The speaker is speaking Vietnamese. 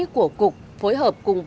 của cục phối hợp cùng các công nhân